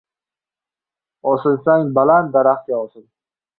• Osilsang, baland daraxtga osil.